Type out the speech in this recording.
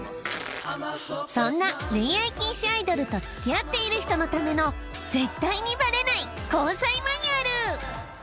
そんな恋愛禁止アイドルと付き合っている人のための絶対にバレない交際マニュアル。